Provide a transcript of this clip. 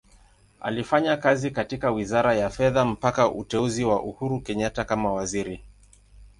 Alifanya kazi katika Wizara ya Fedha mpaka uteuzi wa Uhuru Kenyatta kama Waziri.